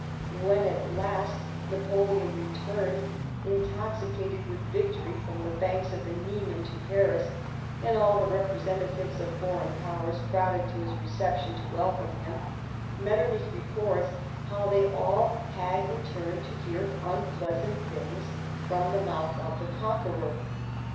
When, at last, Napoleon returned, "intoxi cated with victory," from the banks of the Niemen to Paris, and all the representatives of Foreign Powers crowded to his reception to welcome him, Metternich records how they all had in turn to hear unpleasant things from the mouth of the conqueror.